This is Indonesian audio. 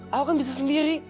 aku kan bisa sendiri